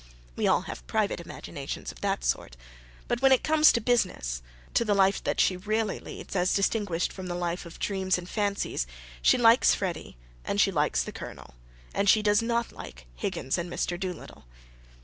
We all have private imaginations of that sort. But when it comes to business, to the life that she really leads as distinguished from the life of dreams and fancies, she likes Freddy and she likes the Colonel; and she does not like Higgins and Mr. Doolittle.